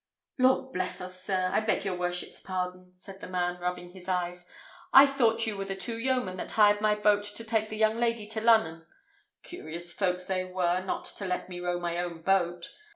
"Lord bless us, sir! I beg your worship's pardon!" said the man, rubbing his eyes; "I thought you were the two yeomen that hired my boat to take the young lady to Lunnun. Curious folks they were not to let me row my own boat!